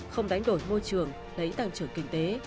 không đánh đổi môi trường lấy tăng trưởng kinh tế